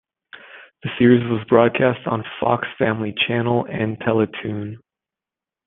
The series was broadcast on Fox Family Channel and Teletoon.